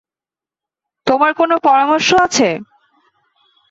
তোমার কোনো পরামর্শ আছে?